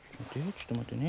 ちょっと待ってね。